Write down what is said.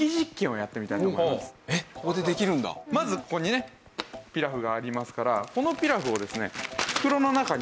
まずここにねピラフがありますからこのピラフをですね。